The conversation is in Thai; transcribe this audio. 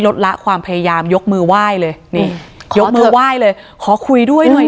ละความพยายามยกมือไหว้เลยนี่ยกมือไหว้เลยขอคุยด้วยหน่อย